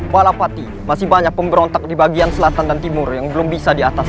balapati masih banyak pemberontak di bagian selatan dan timur yang belum bisa di atas